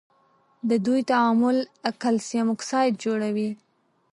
د دوی تعامل کلسیم اکساید جوړوي.